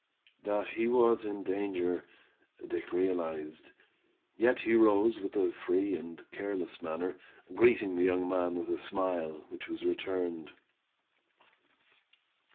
That he was in danger, Dick realized; yet he rose with a free and careless manner, greeting the young men with a smile, which was returned.